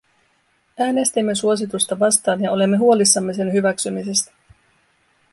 Äänestimme suositusta vastaan ja olemme huolissamme sen hyväksymisestä.